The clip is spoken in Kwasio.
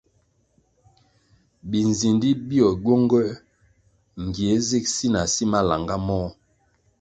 Binzindi bio gywenguer ngie zig si na si malanga môh.